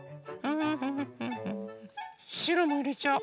しろもいれちゃお。